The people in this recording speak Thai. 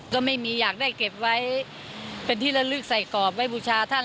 ก็ไม่มีอยากได้เก็บไว้เป็นที่ละลึกใส่กรอบไว้บูชาท่าน